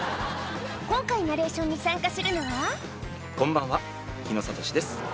今回ナレーションに参加するのはこんばんは日野聡です。